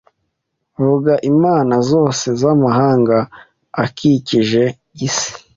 vuga imana zose zamahanga akikije isi